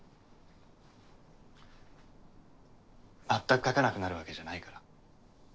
全く書かなくなるわけじゃないから。